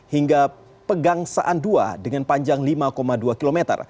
hingga pegang saan dua dengan panjang lima dua km